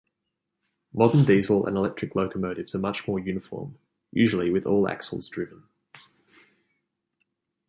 Modern diesel and electric locomotives are much more uniform, usually with all axles driven.